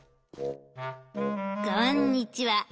「こんにちは。